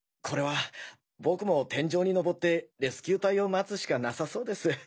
これは僕も天井に上ってレスキュー隊を待つしかなさそうです。